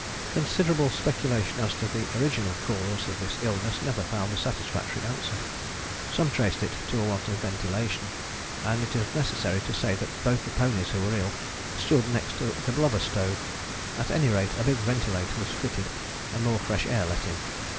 Considerable speculation as to the original cause of this illness never found a satisfactory answer. Some traced it to a want of ventilation, and it is necessary to say that both the ponies who were ill stood next to the blubber stove; at any rate a big ventilator was fitted and more fresh air let in.